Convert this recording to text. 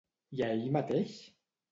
I a ell mateix?